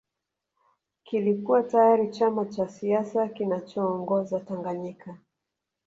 Kilikuwa tayari chama cha siasa kinachoongoza Tanganyika